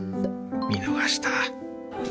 見逃したー！